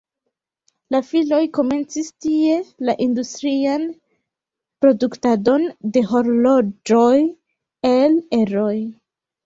La filoj komencis tie la industrian produktadon de horloĝoj el eroj.